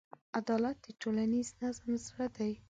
عدالت د ټولنیز نظم زړه دی.